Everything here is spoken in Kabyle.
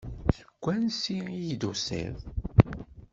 Seg wansi i d-tusiḍ?